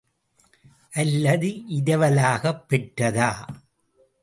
அல்லது இரவலாகப் பெற்றதா?